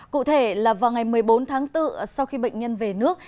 cụ thể là vào ngày một mươi bốn tháng bốn sau khi bệnh nhân về nước